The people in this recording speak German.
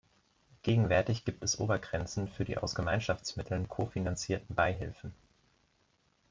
Gegenwärtig gibt es Obergrenzen für die aus Gemeinschaftsmitteln kofinanzierten Beihilfen.